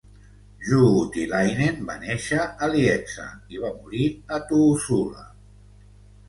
Juutilainen va néixer a Lieksa i va morir a Tuusula.